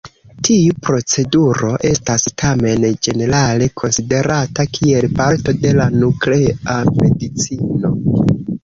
Tiu proceduro estas tamen ĝenerale konsiderata kiel parto de la Nuklea Medicino.